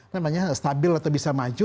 namanya stabil atau bisa maju